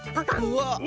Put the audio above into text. うわっ！